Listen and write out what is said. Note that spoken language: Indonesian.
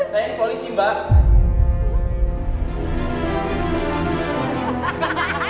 saya ini polisi mbak